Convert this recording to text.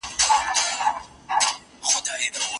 شېرينې! ستا په تصور کې مې تصوير ورک دی